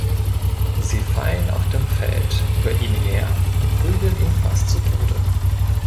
Sie fallen auf dem Feld über ihn her und prügeln ihn fast zu Tode.